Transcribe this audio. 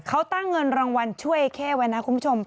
เค้าตั้งเงินรางวัลช่วยแค่ว่านะคุณผู้ชม